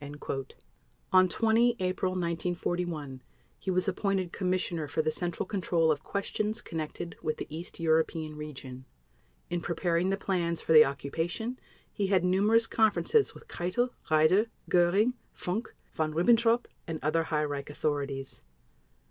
On 20 April 1941 he was appointed Commissioner for the Central Control of Questions Connected with the East European Region. In preparing the plans for the occupation, he had numerous conferences with Keitel, Raeder, Göring, Funk, Von Ribbentrop, and other high Reich authorities.